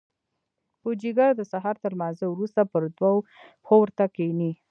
پوجيگر د سهار تر لمانځه وروسته پر دوو پښو ورته کښېني.